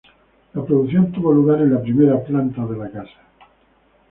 La producción tuvo lugar en la primera planta de la casa.